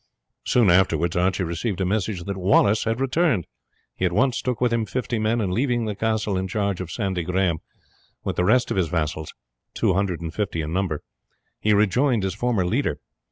Soon afterwards Archie received a message that Wallace had returned. He at once took with him fifty men, and leaving the castle in charge of Sandy Graham, with the rest of his vassals, two hundred and fifty in number, he rejoined his former leader.